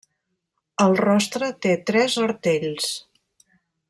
El rostre té tres artells.